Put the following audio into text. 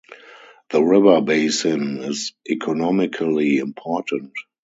The river basin is economically important.